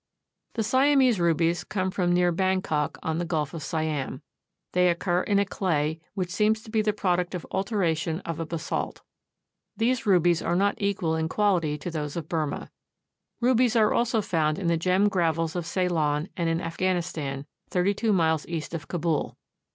The Siamese rubies come from near Bangkok, on the Gulf of Siam. They occur in a clay which seems to be the product of alteration of a besalt. These rubies are not equal in quality to those of Burmah. Rubies are also found in the gem gravels of Ceylon and in Afghanistan, thirty two miles east of Cabul.